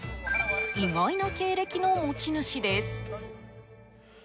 意外な経歴の持ち主です。